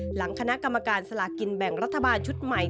หลังคณะกรรมการสลากินแบ่งรัฐบาลชุดใหม่